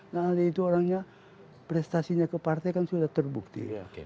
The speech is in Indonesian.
nah ali itu orangnya prestasinya ke partai kan sudah terbukti